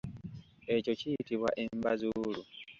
Ekyo kiyitibwa embazuulu.